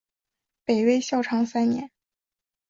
北魏孝昌三年。